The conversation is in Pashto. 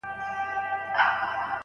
بریالیو کسانو خپلو ملګرو ته بخښنه کړې ده.